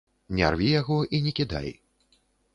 Не рві яго і не кідай.